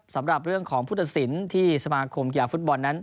สำหรับเรื่องของภูตศิลป์ที่สมาคมเกี่ยวฟุตบอลนั้น